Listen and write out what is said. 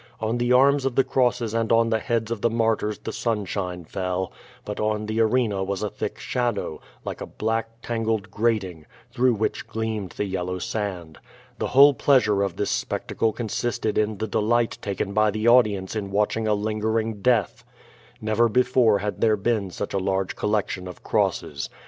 On the arms of the crosses and on the heads A the martyrs the sunshine fell, but on the arena was a thick shadow, like a black, tangled grating, through which gleamed the yellow sand. The whole pleasure of this spectacle con sisted in the delight taken by the audience in watching a lingering death. Xcver before had there been such a large collection of crosses.